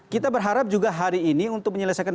kita berharap juga hari ini untuk menyelesaikan